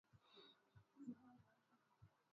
Wanajeshi wa Marekani wasiozidi mia tano